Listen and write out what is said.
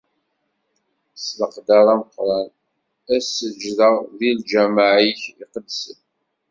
S leqder ameqqran, ad seǧǧdeɣ di lǧameɛ-ik iqedsen.